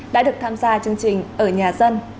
đã được tham gia chương trình ở nhà dân